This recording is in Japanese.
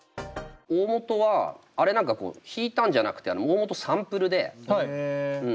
大本はあれ何かこう弾いたんじゃなくて大本サンプルで。